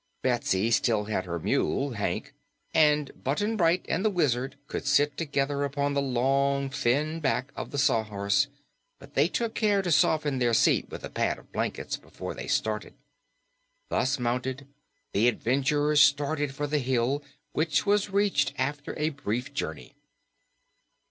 Betsy still had her mule, Hank, and Button Bright and the Wizard could sit together upon the long, thin back of the Sawhorse, but they took care to soften their seat with a pad of blankets before they started. Thus mounted, the adventurers started for the hill, which was reached after a brief journey.